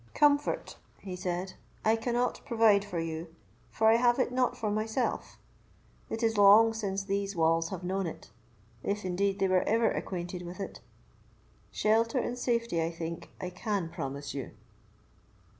"Comfort," he said, "I cannot provide for you, for I have it not for myself; it is long since these walls have known it, if, indeed, they were ever acquainted with it. Shelter and safety, I think, I can promise you."